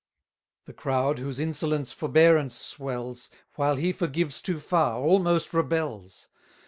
The crowd, whose insolence forbearance swells, While he forgives too far, almost rebels.